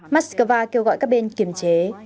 moscow kêu gọi các bên kiềm chế